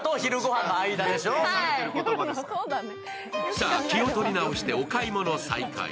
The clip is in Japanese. さあ、気を取り直してお買い物再開。